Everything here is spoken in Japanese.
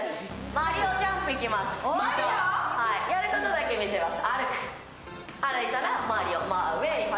やることだけ見えます。